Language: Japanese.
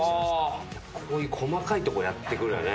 こういう細かいとこやってくるよね。